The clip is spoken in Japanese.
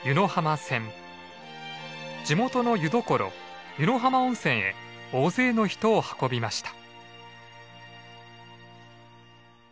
地元の湯どころ湯野浜温泉へ大勢の人を運びました。